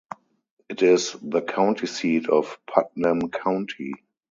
It is the county seat of Putnam County.